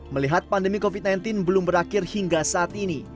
melihat pandemi covid sembilan belas belum berakhir hingga saat ini